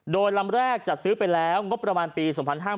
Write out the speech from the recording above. โดยลำแรกจัดซื้อไปแล้วงบประมาณปี๒๕๕๙